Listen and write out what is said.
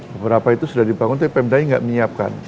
beberapa itu sudah dibangun tapi pemda ini gak menyiapkan